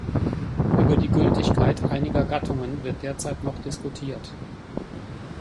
Über die Gültigkeit einiger Gattungen wird derzeit noch diskutiert.